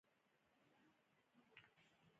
د وریښمو چینجی څنګه وساتم؟